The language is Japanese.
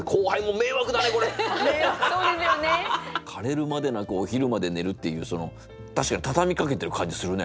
「枯れるまで泣くお昼まで寝る」っていう確かに畳みかけてる感じするね。